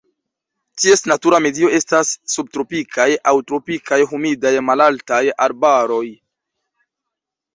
Ties natura medio estas subtropikaj aŭ tropikaj humidaj malaltaj arbaroj.